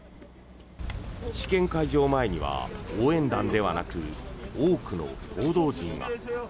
試験会場前には応援団ではなく多くの報道陣が。